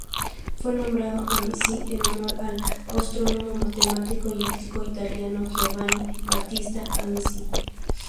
Fue nombrado Amici en honor al astrónomo, matemático y óptico italiano Giovanni Battista Amici.